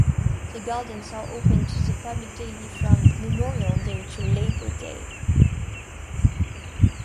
The Gardens are open to the public daily from Memorial Day to Labor Day.